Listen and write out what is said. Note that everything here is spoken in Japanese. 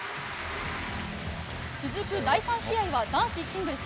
続く第３試合は男子シングルス。